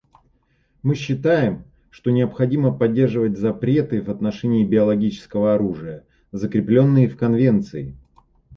Мы считаем, что необходимо поддерживать запреты в отношении биологического оружия, закрепленные в Конвенции.